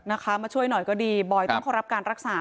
นะคะมาช่วยหน่อยก็ดีบอยต้องเข้ารับการรักษา